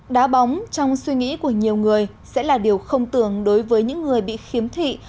đá bóng trong suy nghĩ của nhiều người sẽ là điều không tưởng đối với những người bị khiếm thị